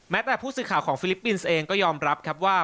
แต่ผู้สื่อข่าวของฟิลิปปินส์เองก็ยอมรับครับว่า